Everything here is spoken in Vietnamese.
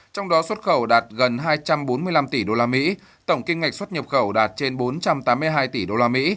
trong đó xuất khẩu đạt gần hai trăm bốn mươi năm tỷ usd tổng kim ngạch xuất nhập khẩu đạt trên bốn trăm tám mươi hai tỷ usd